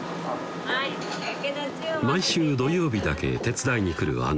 はい毎週土曜日だけ手伝いに来る姉